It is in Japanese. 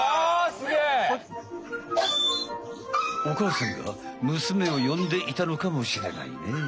おかあさんがむすめをよんでいたのかもしれないね。